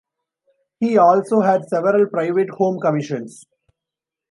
He also had several private home commissions.